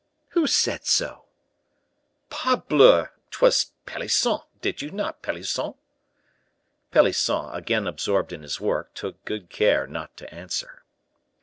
"Who said so?" "Parbleu! 'twas Pelisson; did you not, Pelisson?" Pelisson, again absorbed in his work, took good care not to answer.